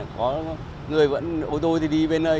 có người vẫn ô tô thì đi bên nơi